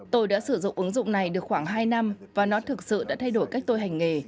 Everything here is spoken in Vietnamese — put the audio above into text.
tôi đã sử dụng ứng dụng này được khoảng hai năm và nó thực sự đã thay đổi cách tôi hành nghề